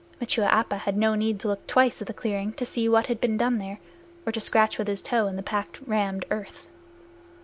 Machua Appa had no need to look twice at the clearing to see what had been done there, or to scratch with his toe in the packed, rammed earth.